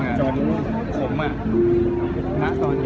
นายคือทำไมหรือ